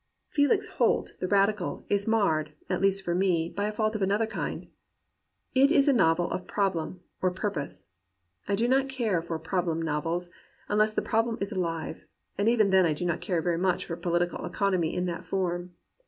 Felix Holt, the Radical is marred, at least for me, by a fault of another kind. It is a novel of problem, of purpose. I do not care for problem novels, unless the problem is alive, and even then I do not care very much for political economy in that form.